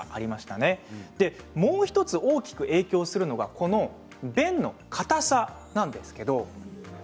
もう１つ大きく影響するのが便の硬さなんです。